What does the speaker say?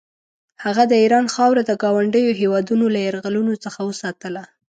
هغه د ایران خاوره د ګاونډیو هېوادونو له یرغلونو څخه وساتله.